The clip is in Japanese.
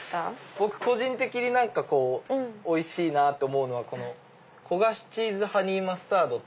僕個人的においしいなと思うのは焦がしチーズ＆ハニーマスタード。